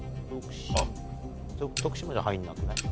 徳島じゃ入んなくない？